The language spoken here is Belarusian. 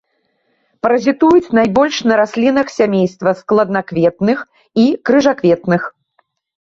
Паразітуюць найбольш на раслінах сямейства складанакветных і крыжакветных.